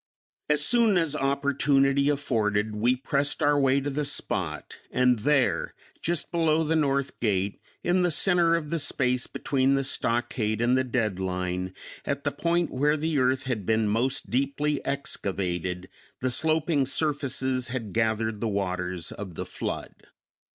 As soon as opportunity afforded we pressed our way to the spot, and there, just below the north gate, in the center of the space between the stockade and the dead line, at the point where the earth had been most deeply excavated, the sloping surfaces had gathered the waters of the flood.